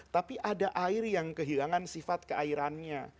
tapi ada air yang kehilangan sifat keairannya